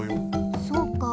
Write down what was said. そうか。